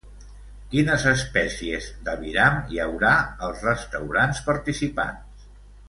Quines espècies d'aviram hi haurà als restaurants participants?